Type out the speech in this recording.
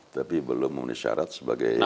tapi belum memenuhi syarat sebagai